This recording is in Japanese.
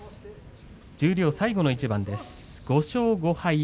十両最後の一番です、５勝５敗